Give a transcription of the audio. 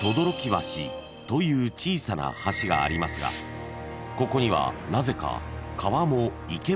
［という小さな橋がありますがここにはなぜか川も池もありません］